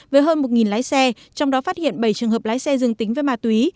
với hơn một lái xe trong đó phát hiện bảy trường hợp lái xe dương tính với ma túy